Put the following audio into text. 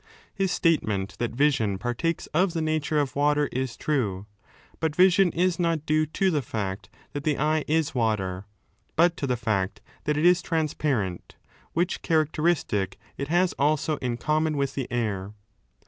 His statement that vision partakes of the nature of water, is true ; but vision is not due to the fact that the eye is water, but to the fact that it is transparent, which characteristic it has also in common with the air.